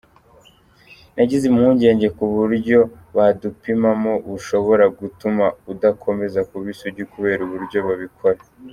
Nagize impungenge ko uburyo badupimamo bushobora gutuma udakomeza kuba isugi kubera uburyo babikora.